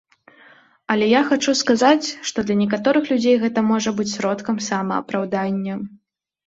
Але я хачу сказаць, што для некаторых людзей гэта можа быць сродкам самаапраўдання.